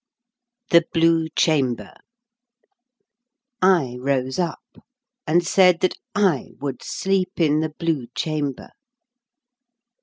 THE BLUE CHAMBER I rose up, and said that I would sleep in the Blue Chamber.